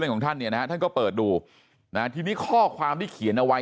ของท่านเนี่ยนะฮะท่านก็เปิดดูนะทีนี้ข้อความที่เขียนเอาไว้